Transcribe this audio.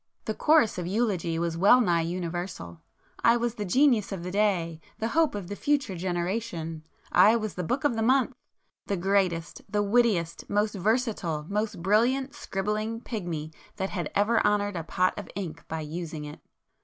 The chorus of eulogy was well nigh universal; I was the 'genius of the day'—the 'hope of the future generation,'—I was the "Book of the Month,"—the greatest, the wittiest, most versatile, most brilliant scribbling pigmy that had ever honoured a pot of ink by using it!